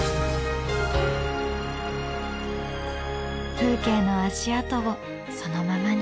風景の足跡をそのままに。